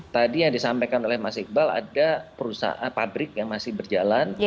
tadi yang disampaikan oleh mas iqbal ada perusahaan pabrik yang masih berjalan